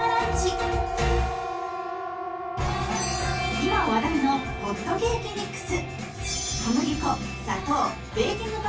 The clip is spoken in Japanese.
今話題のホットケーキミックス。